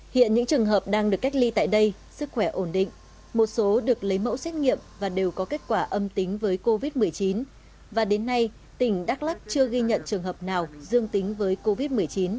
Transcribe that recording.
hiện những trường hợp đang được cách ly tại đây sức khỏe ổn định một số được lấy mẫu xét nghiệm và đều có kết quả âm tính với covid một mươi chín và đến nay tỉnh đắk lắc chưa ghi nhận trường hợp nào dương tính với covid một mươi chín